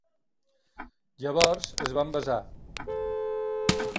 Llavors es van besar.